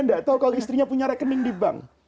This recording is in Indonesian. tidak tahu kalau istrinya punya rekening di bank